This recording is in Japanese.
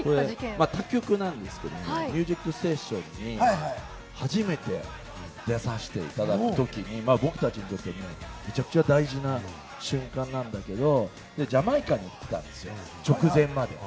他局なんですけれども、『ミュージックステーション』に初めて出させていただくときに、僕たちにとって、めちゃくちゃ大事な瞬間なんですけれども、ジャマイカに行ってたんですよ、直前まで。